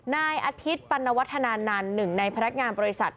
นายอาทิตย์ปัณวัฒนานันต์หนึ่งในพนักงานบริษัท